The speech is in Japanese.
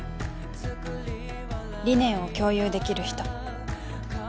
理念を共有できる人